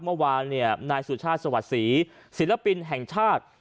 เมื่อวานเนี่ยนายสุชาติสวัสดิศรีศิลปินแห่งชาติ